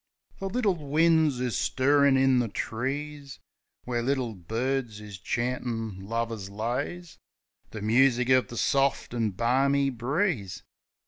The little winds is stirrin' in the trees, Where little birds is chantin' lovers' lays; The music of the sorft an' barmy breeze.